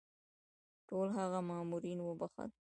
ټول هغه مامورین وبخښل.